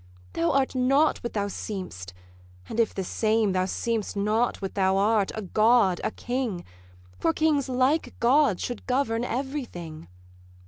Thou art not what thou seem'st; and if the same, Thou seem'st not what thou art, a god, a king; For kings like gods should govern every thing.